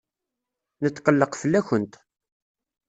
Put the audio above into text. Netqelleq fell-akent.